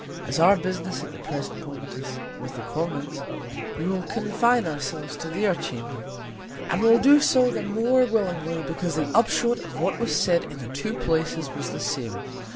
As our business at the present moment is with the Commons, we will confine ourselves to their chamber, and will do so the more willingly because the upshot of what was said in the two places was the same.